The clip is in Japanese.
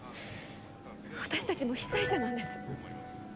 私たちも被災者なんです。